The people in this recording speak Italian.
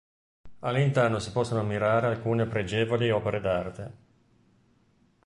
All’interno si possono ammirare alcune pregevoli opere d’arte.